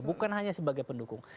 bukan hanya sebagai pendukung